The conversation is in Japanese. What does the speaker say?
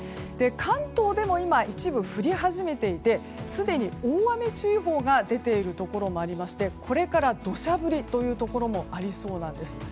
関東でも今、一部で降り始めていてすでに大雨注意報が出ているところもありましてこれから土砂降りというところもありそうなんです。